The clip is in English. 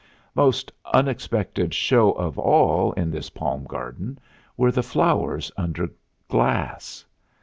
Most unexpected show of all in this Palm Garden were the flowers under glass.